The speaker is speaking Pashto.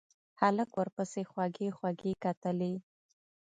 هلک ورپسې خوږې خوږې کتلې.